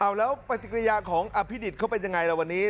แล้วปฏิกิริยาของอภินิษฐ์เขาเป็นยังไงล่ะวันนี้